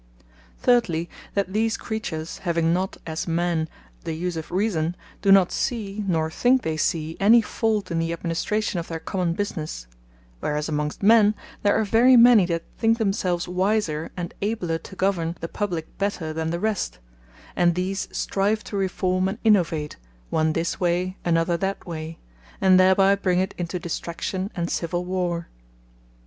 Thirdly, that these creatures, having not (as man) the use of reason, do not see, nor think they see any fault, in the administration of their common businesse: whereas amongst men, there are very many, that thinke themselves wiser, and abler to govern the Publique, better than the rest; and these strive to reforme and innovate, one this way, another that way; and thereby bring it into Distraction and Civill warre.